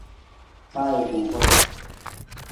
Pa ajungkur!